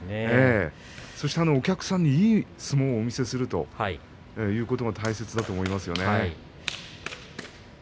そして、お客さんにいい相撲をお見せするということが大切だと思います。